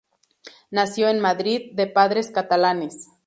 Nació en Madrid, de padres catalanes.